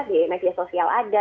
di media sosial ada